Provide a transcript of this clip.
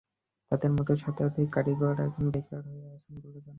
তাঁদের মতো শতাধিক পাথর খোদাইয়ের কারিগর এখন বেকার হয়ে আছেন বলে জানা গেছে।